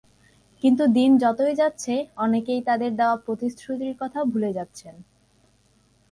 কিন্তু দিন যতই যাচ্ছে, অনেকেই তাঁদের দেওয়া প্রতিশ্রুতির কথাও ভুলে যাচ্ছেন।